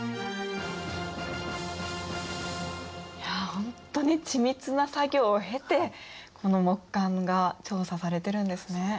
いやほんとに緻密な作業を経てこの木簡が調査されてるんですね。